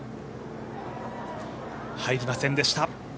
入りませんでした。